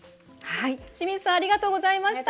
清水さんありがとうございました。